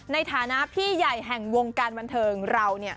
ในฐานะพี่ใหญ่แห่งวงการบันเทิงเรา